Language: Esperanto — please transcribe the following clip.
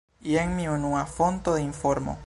Jen mia unua fonto de informo.